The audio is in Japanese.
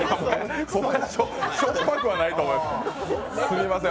しょっぱくはないと思います。